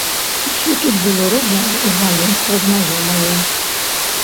Усё тут было роднае і з маленства знаёмае.